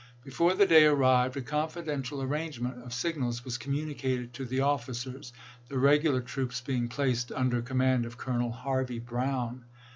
Before the day arrived a confidential arrangement of sig nals was communicated to the officers, the regular troops being placed under command of Colonel Harvey Brown.